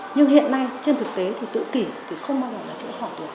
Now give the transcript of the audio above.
nhưng hiện nay trên thực tế thì tự kỷ thì không bao giờ là chữa khỏa được